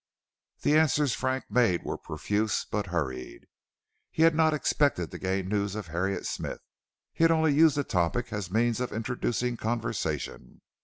The answers Frank made were profuse but hurried; he had not expected to gain news of Harriet Smith; he had only used the topic as a means of introducing conversation.